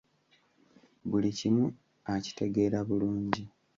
Buli kimu akitegeera bulungi.